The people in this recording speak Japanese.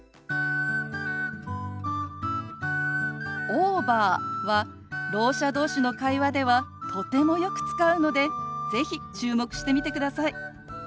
「オーバー」はろう者同士の会話ではとてもよく使うので是非注目してみてください。